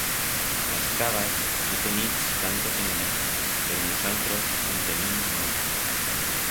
Las crabas no tenits tantos enemigos, pero nusaltros en tenim moltos.